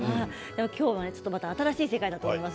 今日はまた新しい世界だと思います。